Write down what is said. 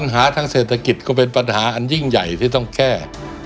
ทางเศรษฐกิจก็เป็นปัญหาอันยิ่งใหญ่ที่ต้องแก้